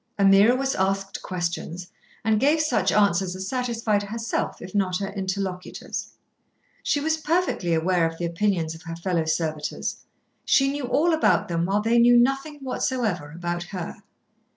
Ameerah was asked questions, and gave such answers as satisfied herself if not her interlocutors. She was perfectly aware of the opinions of her fellow servitors. She knew all about them while they knew nothing whatsoever about her.